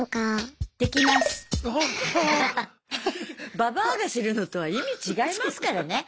ババアがするのとは意味違いますからね。